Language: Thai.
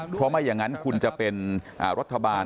เพราะไม่อย่างนั้นคุณจะเป็นรัฐบาล